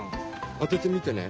当ててみてね。